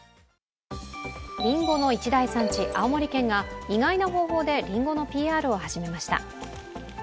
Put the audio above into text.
りんごの一大産地、青森県が意外な方法でりんごのＰＲを始めました。